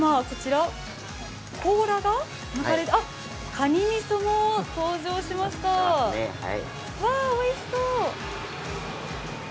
甲羅がむかれて、かにみそも登場しました、おいしそう！